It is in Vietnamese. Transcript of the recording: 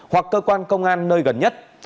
hoặc cơ quan công an nơi gần nhất